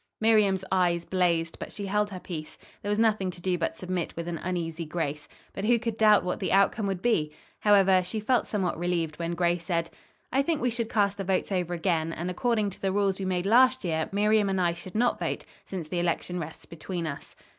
Miriam's eyes blazed, but she held her peace. There was nothing to do but submit with an uneasy grace. But who could doubt what the outcome would be? However, she felt somewhat relieved when Grace said: "I think we should cast the votes over again, and, according to the rules we made last year, Miriam and I should not vote, since the election rests between us."